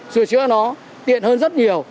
sửa chữa nó tiện hơn rất nhiều